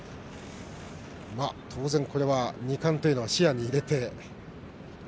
当然、これは二冠というのは視野に入れて。